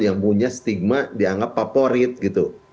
yang punya stigma dianggap favorit gitu